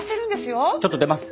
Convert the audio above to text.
ちょっと出ます。